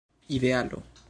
idealo